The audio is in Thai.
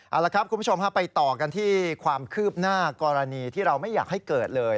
เอาละครับคุณผู้ชมไปต่อกันที่ความคืบหน้ากรณีที่เราไม่อยากให้เกิดเลย